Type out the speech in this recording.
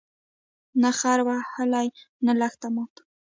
نه خر وهلی، نه لښته ماته